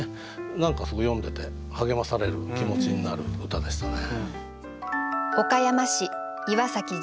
何かすごい読んでて励まされる気持ちになる歌でしたね。